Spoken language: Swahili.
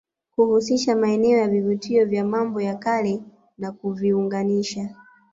kuhuisha maeneo ya vivutio vya mambo ya Kale na kuviunganisha